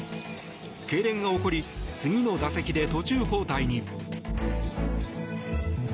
けいれんが起こり次の打席で途中交代に。